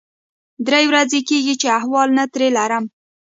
درې ورځې کېږي چې احوال نه ترې لرم.